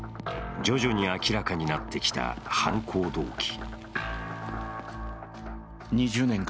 徐々に明らかになってきた犯行動機。